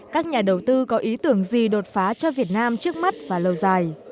các nhà đầu tư có ý tưởng gì đột phá cho việt nam trước mắt và lâu dài